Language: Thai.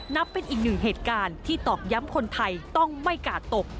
นับเป็นอีกหนึ่งเหตุการณ์ที่ตอกย้ำคนไทยต้องไม่กาดตก